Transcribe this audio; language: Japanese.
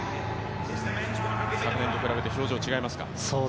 昨年と比べて表情違いますか？